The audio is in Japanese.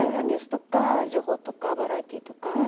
ニュースとか情報とかバラエティーとか。